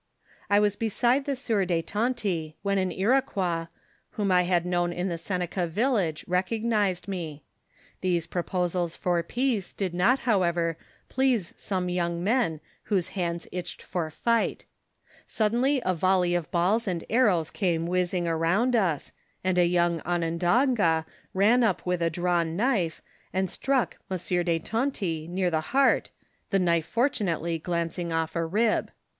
I was beside the sieur de Tonty, when an Iroquois, whom I had known in the Seneca village, recognised me. These proposals for peace did not, however, please some young men whose hands itched for fight ; suddenly a volley of balls and arrows came whizzing around us, and a young Onondaga ran up with a drawn knife and struck M. de Tonty near the heart, the knife fortunately glancing off a rib.